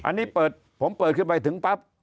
อันนี้เปิดผมเปิดขึ้นไปถึงปั๊บ